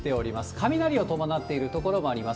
雷を伴っている所もあります。